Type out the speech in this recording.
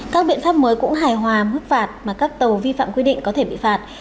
các biện pháp mới cũng hài hòa mức phạt mà các tàu vi phạm quy định có thể bị phạt